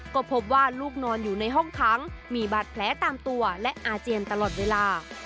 ก็พบว่าลูกนอนอยู่ในห้องค้างมีบาดแผลตามตัวและอาเจียนตลอดเวลา